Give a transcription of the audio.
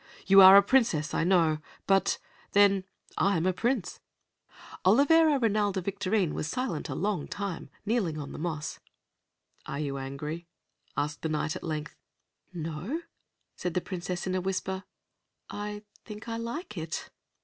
You are a princess, I know, but then I am a prince." Olivera Rinalda Victorine was silent a long time, kneeling on the moss. "Are you angry?" asked the Knight, at length. "No," said the Princess, in a whisper. "I think I like it."